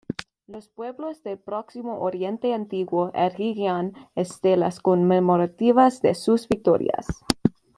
Los pueblos del Próximo Oriente Antiguo erigían estelas conmemorativas de sus victorias.